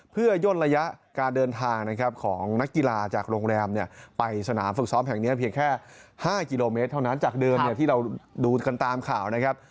เพื่อย่นระยะการเดินทางนะครับของนักกีฬาจากโรงแรมเนี่ยไปสนามฝึกซ้อมแห่งนี้เพียงแค่๕กิโลเมตรเท่านั้นจากเดิมที่เราดูกันตามข่าวนะครับ